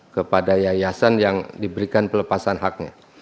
kepada yayasan yang diberikan pelepasan haknya